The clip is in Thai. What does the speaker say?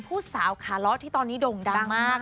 ผู้สาวขาล้อที่ตอนนี้โด่งดังมาก